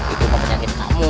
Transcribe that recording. itu mah penyakit kamu